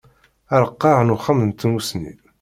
Areqqeɛ n Uxxam n Tmusni.